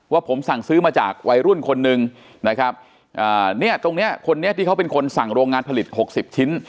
ผมสั่งซื้อมาจากวัยรุ่นคนหนึ่งนะครับอ่าเนี่ยตรงเนี้ยคนนี้ที่เขาเป็นคนสั่งโรงงานผลิตหกสิบชิ้น